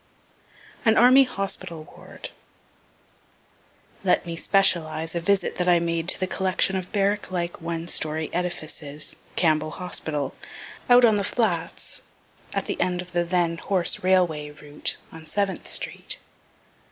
AN ARMY HOSPITAL WARD Let me specialize a visit I made to the collection of barrack like one story edifices, Campbell hospital, out on the flats, at the end of the then horse railway route, on Seventh street.